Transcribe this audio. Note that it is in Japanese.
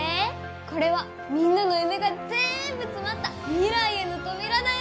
これはみんなの夢がぜんぶ詰まった未来への扉だよ！